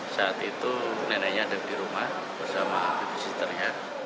saat itu neneknya ada di rumah bersama visitornya